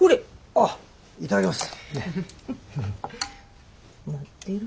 あっ頂きます。